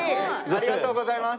ありがとうございます。